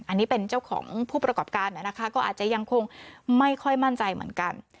อันนี้เป็นเจ้าของผู้ประกอบการนะคะก็อาจจะยังคงไม่ค่อยมั่นใจเหมือนกัน